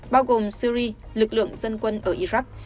bao gồm syri lực lượng dân quân ở iraq